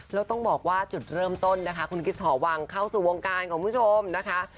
แล้วต้องบอกว่าจุดเริ่มต้นนะคะคุณคริสหอวังเข้าสู่วงการของคุณผู้ชมนะคะ